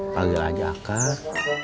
panggil aja akar